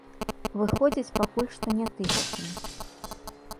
Выходзяць пакуль што не тысячамі.